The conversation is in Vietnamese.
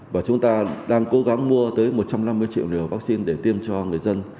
và chúng ta đang cố gắng mua tới một trăm năm mươi triệu liều vaccine để tiêm cho người dân